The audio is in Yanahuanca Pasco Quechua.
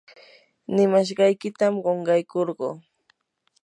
nimashqaykitam qunqaykurquu.